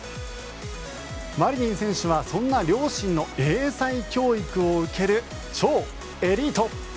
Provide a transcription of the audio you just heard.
マリニン選手はそんな両親の英才教育を受ける超エリート。